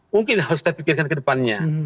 mungkin harus dipikirkan ke depannya